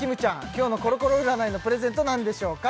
今日のコロコロ占いのプレゼント何でしょうか？